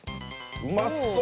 「うまそう！